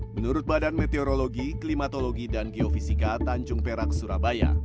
menurut badan meteorologi klimatologi dan geofisika tanjung perak surabaya